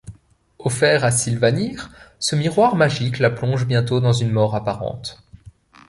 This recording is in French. Offert à Sylvanire, ce miroir magique la plonge bientôt dans une mort apparente.